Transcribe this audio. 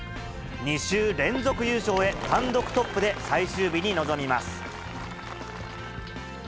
２週連続優勝へ、単独トップで最終日に臨みます。